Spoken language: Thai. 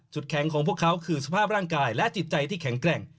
แข็งของพวกเขาคือสภาพร่างกายและจิตใจที่แข็งแกร่ง